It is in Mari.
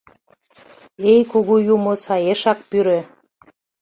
— Эй, кугу юмо, саешак пӱрӧ.